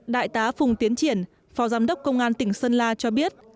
đại tá phùng tiến triển phó giám đốc công an tỉnh sơn la cho biết